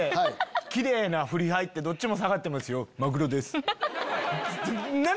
キレイなふり入って「どっちも下がってますよマグロです」。